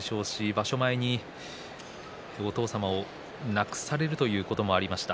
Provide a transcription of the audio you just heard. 場所前にお父様を亡くされるということもありました。